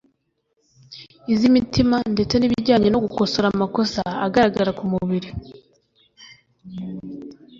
iz’imitima ndetse n’ibijyanye no gukosora amakosa agaragara ku mubiri